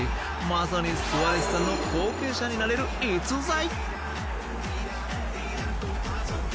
まさにスアレスさんの後継者になれる逸材。